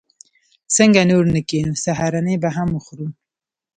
څنګه نور نه کېنو؟ سهارنۍ به هم وخورو.